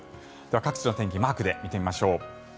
各地の天気をマークで見てみましょう。